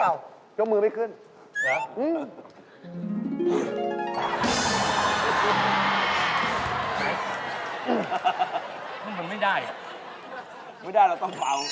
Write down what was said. อย่าเป็นตลกว่าครับเรา